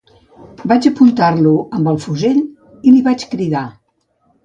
Vaig apuntar-lo amb el fusell i li vaig cridar: